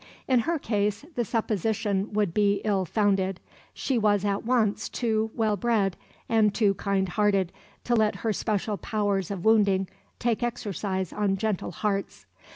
In her case, the supposition would be ill founded. She was at once too well bred, and too kind hearted, to let her special powers of wounding take exercise on gentle hearts.